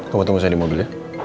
kamu tunggu saya di mobil ya